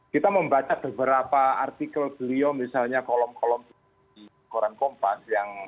kita membaca beberapa artikel beliau misalnya kolom kolom di koran kompas